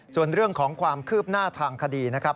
ส่วนเรื่องของความคืบหน้าทางคดีนะครับ